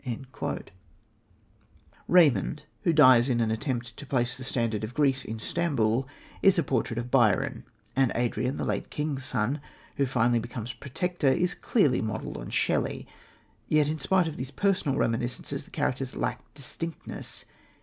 " Raymond, who dies in an attempt to place the standard of Greece in Stamboul, is a portrait of Byron; and Adrian, the late king's son, who finally becomes Protector, is clearly modelled on Shelley. Yet in spite of these personal reminiscences, their characters lack distinctness.